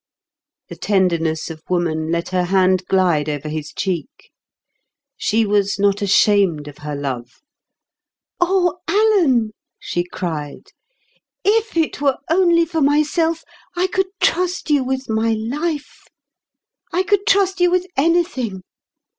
The tenderness of woman let her hand glide over his cheek. She was not ashamed of her love. "O Alan," she cried, "if it were only for myself, I could trust you with my life; I could trust you with anything.